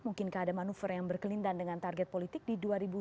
mungkin keadaan manuver yang berkelindan dengan target politik di dua ribu sembilan belas